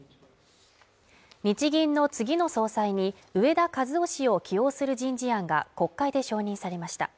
日銀の次の総裁に植田和男氏を起用する人事案が国会で承認されました。